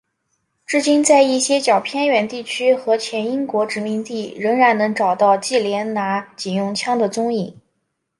至今在一些较偏远地区和前英国殖民地仍然能够找到忌连拿警用枪的踪影。